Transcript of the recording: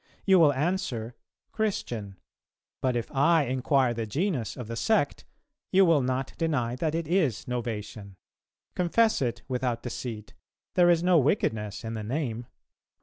You will answer, 'Christian.' But if I inquire the genus of the sect, you will not deny that it is Novatian. ... Confess it without deceit; there is no wickedness in the name.